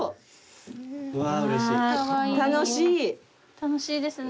楽しいですね。